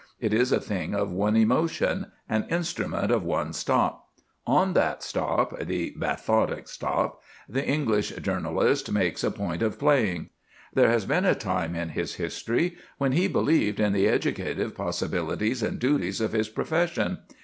It is a thing of one emotion, an instrument of one stop. On that stop the bathotic stop the English journalist makes a point of playing. There has been a time in his history when he believed in the educative possibilities and duties of his profession.